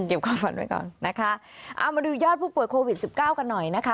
เอามาดูยอดผู้ป่วยโควิด๑๙กันหน่อยนะคะ